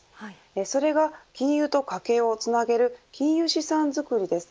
それが、金融と家計をつなげる金融資産作りです。